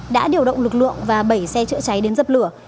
đã điều động lực lượng và bảy xe chữa cháy đến dập lửa